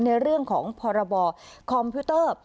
ในเรื่องของพรบคอมพิวเตอร์